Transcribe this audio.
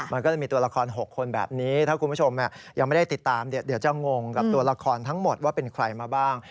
มันก็จะมีตัวละคร๖คนแบบนี้ถ้าคุณผู้ชมยังไม่ได้ติดตามเดี๋ยวจะงงกับตัวละครทั้งหมดว่าเป็นใครมาบ้าง